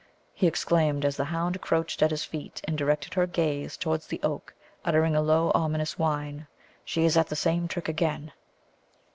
he exclaimed, as the hound crouched at his feet, and directed her gaze towards the oak, uttering a low ominous whine, "she is at the same trick again."